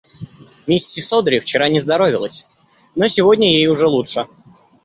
Миссис Одри вчера не здоровилось, но сегодня ей уже лучше.